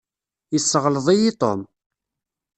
Yesseɣleḍ-iyi Tom.